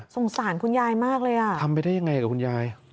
สงสารคุณยายมากเลยอ่ะทำไปได้ยังไงกับคุณยาย